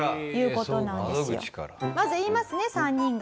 まず言いますね３人が。